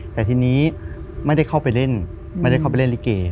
แต่ทีนี้ไม่ได้เข้าไปเล่นลิเก